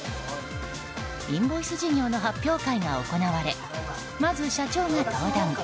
インボイス事業の発表会が行われまず社長が登壇。